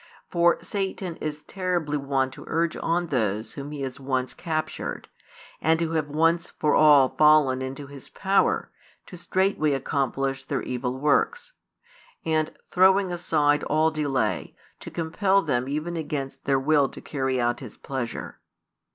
For Satan is terribly wont to urge on those whom he has once captured, and who have once for all fallen into his power, to straightway accomplish their evil works; and, throwing aside all delay, to compel them even against their will to carry out his pleasure.